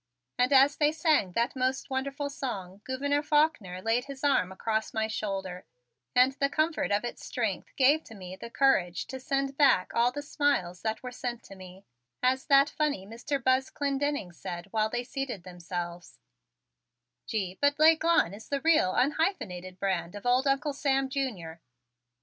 And as they sang that most wonderful song, Gouverneur Faulkner laid his arm across my shoulder, and the comfort of its strength gave to me the courage to send back all the smiles that were sent to me, as that funny Mr. Buzz Clendenning said while they seated themselves: "Gee, but L'Aiglon is the real un hyphenated brand of old Uncle Sam, Jr."